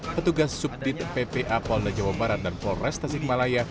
petugas subdit ppa polda jawa barat dan polres tasikmalaya